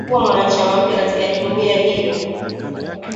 kuwa mwanachama mpya katika jumuiya hiyo